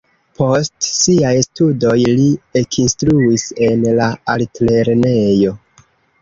Post siaj studoj li ekinstruis en la altlernejo.